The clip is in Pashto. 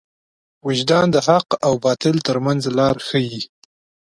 وجدان د حق او باطل تر منځ لار ښيي.